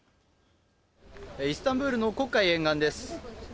イスタンブールの黒海沿岸です。